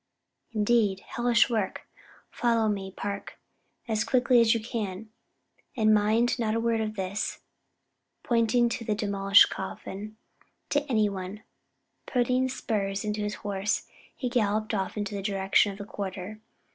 "Indeed! hellish work! Follow me, Park, as quickly as you can. And mind, not a word of this," pointing to the demolished coffin, "to any one," and putting spurs to his horse, he galloped off in the direction of the quarter.